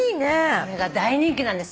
これが大人気なんです